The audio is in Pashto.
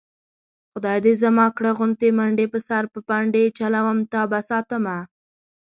خدای دې زما کړه غونډې منډې په سر به پنډې چلوم تابه ساتمه